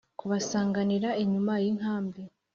Kubasanganira inyuma y inkambi